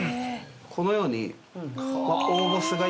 このように。